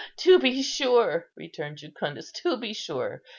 to be sure!" returned Jucundus; "to be sure!